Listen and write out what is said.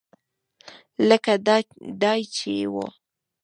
لکه دای چې و.